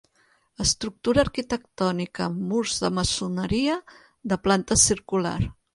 Estructura arquitectònica amb murs de maçoneria, de planta circular.